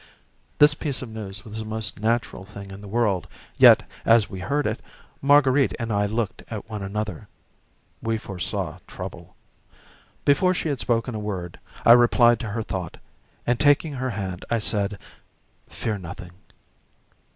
This piece of news was the most natural thing in the world, yet, as we heard it, Marguerite and I looked at one another. We foresaw trouble. Before she had spoken a word, I replied to her thought, and, taking her hand, I said, "Fear nothing."